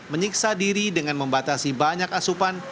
menyiksa diri dengan membatasi banyak asupan